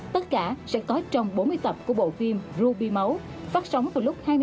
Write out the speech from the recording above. tất cả sẽ có trong bốn mươi tập của bộ phim ruby máu phát sóng từ lúc hai mươi một h